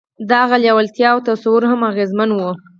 د هغه لېوالتیا او تصور هم اغېزمن وو